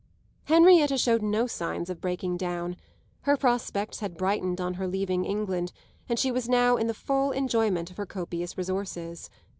Henrietta showed no signs of breaking down. Her prospects had brightened on her leaving England, and she was now in the full enjoyment of her copious resources.